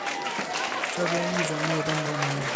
这边一盏路灯都没有